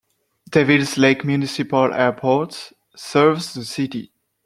Devils Lake Municipal Airport serves the city.